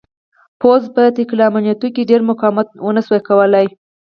پوځ په تګلیامنیتو کې ډېر مقاومت ونه شوای کړای.